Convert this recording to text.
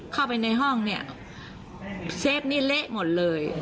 เข้าไปในห้องเนี่ยเซฟนี่เละหมดเลย